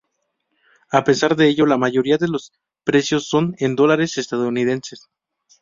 A pesar de ello, la mayoría de los precios son en dólares estadounidenses.